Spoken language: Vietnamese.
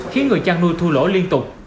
khiến người chăn nuôi thu lỗ liên tục